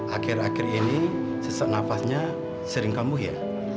akhir akhir ini sesak nafasnya sering kambuh ya